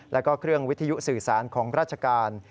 แล้วก็เครื่องวิทยุสื่อสารของราชการ